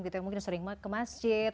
gitu yang mungkin sering ke masjid